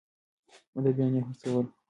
اديبان يې هڅول.